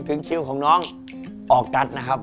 คิวของน้องออกัสนะครับ